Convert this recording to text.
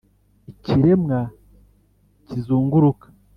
ikiremwa kizunguruka